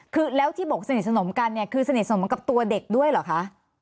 คือแล้วที่บอกสนิทสนมกันเนี่ยคือสนิทสนมกับตัวเด็กด้วยเหรอคะ